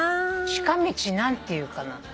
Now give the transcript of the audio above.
近道何て言うかな。